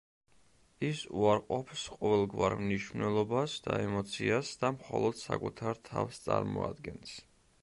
ის უარყოფს ყოველგვარ მნიშვნელობას და ემოციას და მხოლოდ საკუთარ თავს წარმოადგენს.